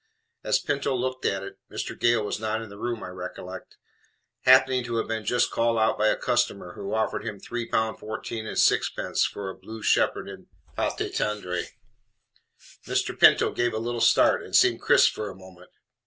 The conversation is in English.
As Pinto looked at it Mr. Gale was not in the room, I recollect; happening to have been just called out by a customer who offered him three pound fourteen and sixpence for a blue Shepherd in pate tendre, Mr. Pinto gave a little start, and seemed crispe for a moment.